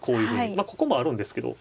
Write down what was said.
まあここもあるんですけど。